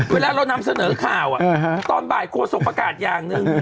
เวลาเรานำเสนอข่าวตอนบ่ายโฆษกประกาศอย่างหนึ่ง